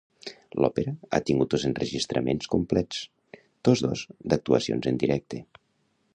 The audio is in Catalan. L'òpera ha tingut dos enregistraments complets, tots dos d'actuacions en directe.